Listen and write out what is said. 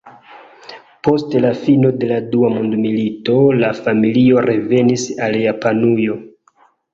Post la fino de la Dua Mondmilito la familio revenis al Japanujo.